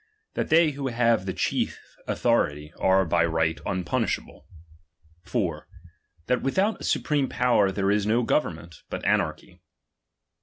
That they who have the chief autho rity, are by right unpunishable. 4. Thai without a i^upreme power there is no government, but anarchy.